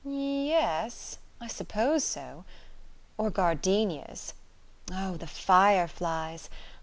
"Y yes.... I suppose so. Or gardenias.... Oh, the fire flies!